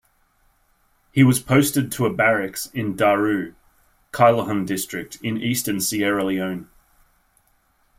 He was posted to a barracks in Daru, Kailahun District in Eastern Sierra Leone.